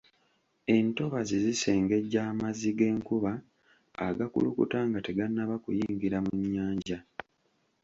Entobazi zisengejja amazzi g’enkuba agakulukuta nga tegannaba kuyingira mu nnyanja.